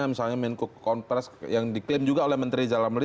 misalnya menko kompres yang diklaim juga oleh menteri jalan melayu